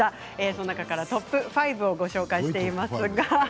その中からトップ５をご紹介しています。